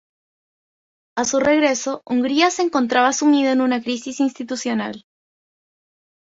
A su regreso, Hungría se encontraba sumida en una crisis institucional.